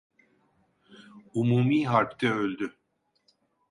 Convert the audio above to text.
Umumi Harp'te öldü…